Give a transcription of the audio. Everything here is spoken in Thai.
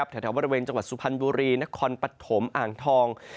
แถวบริเวณจังหวัดสุพรรณบุรีนครปฐมอ่างทอง